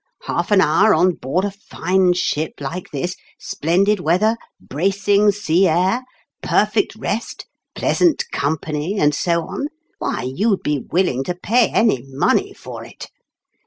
Half an hour on board a fine ship like this, splendid weather, bracing sea air, perfect rest, pleasant company, and so on why, you'd be willing to pay any money for it